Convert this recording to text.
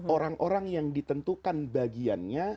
orang orang yang ditentukan bagiannya